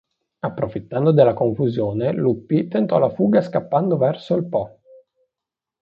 Approfittando della confusione Luppi tentò la fuga scappando verso il Po.